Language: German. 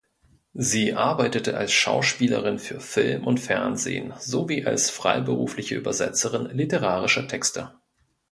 Sie arbeitete als Schauspielerin für Film und Fernsehen sowie als freiberufliche Übersetzerin literarischer Texte.